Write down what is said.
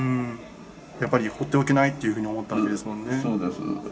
やっぱり放っておけないって思ったわけですもんね。